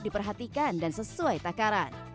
diperhatikan dan sesuai takaran